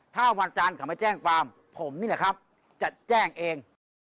ถ้าวันจันทร์เขามาแจ้งความผมนี่แหละครับจะแจ้งเอง